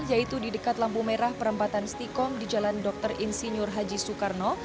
yaitu di dekat lampu merah perempatan stikom di jalan dr insinyur haji soekarno